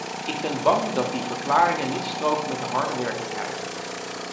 Ik ben bang dat die verklaringen niet stroken met de harde werkelijkheid.